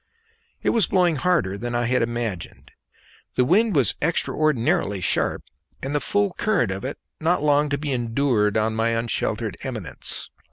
It was blowing harder than I had imagined. The wind was extraordinarily sharp, and the full current of it not long to be endured on my unsheltered eminence.